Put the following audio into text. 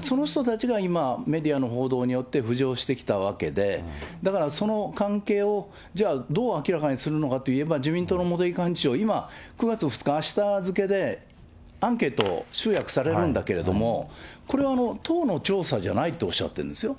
その人たちが今、メディアの報道によって浮上してきたわけで、だからその関係を、じゃあ、どう明らかにするのかといえば、自民党の茂木幹事長、今、９月２日、あした付でアンケートを集約されるんだけれども、これは党の調査じゃないとおっしゃってるんですよ。